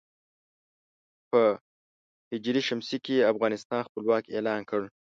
په ه ش کې یې افغانستان خپلواک اعلان کړ.